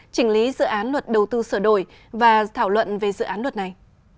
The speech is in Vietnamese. chỉnh lý dự án luật đầu tư sửa đổi và thảo luận về dự án luật này